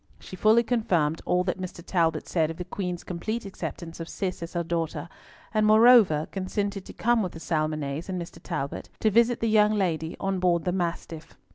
She fully confirmed all that Mr. Talbot said of the Queen's complete acceptance of Cis as her daughter, and moreover consented to come with the Salmonnets and Mr. Talbot, to visit the young lady on board the Mastiff.